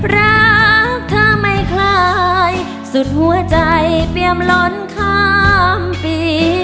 รักเธอไม่คล้ายสุดหัวใจเปรียมล้นข้ามปี